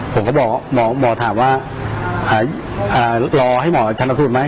ผมก็บอกหมอถามว่ารอให้หมอชนสูตรไหม